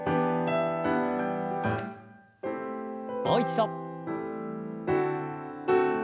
もう一度。